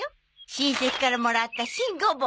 親戚からもらった新ゴボウ。